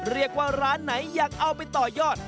เรียกว่าร้านไหนอยากเอาไปต่อยอด